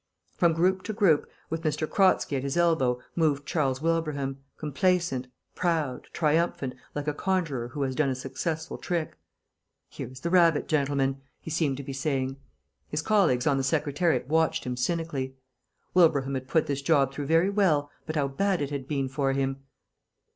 From group to group, with M. Kratzky at his elbow, moved Charles Wilbraham, complacent, proud, triumphant, like a conjurer who has done a successful trick. "Here is the rabbit, gentlemen," he seemed to be saying. His colleagues on the Secretariat watched him cynically. Wilbraham had put this job through very well, but how bad it had been for him!